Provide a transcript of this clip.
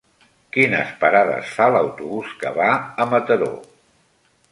Quines parades fa l'autobús que va a Mataró?